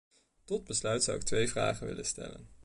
Tot besluit zou ik twee vragen willen stellen.